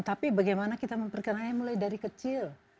tapi bagaimana kita memperkenalnya mulai dari kecil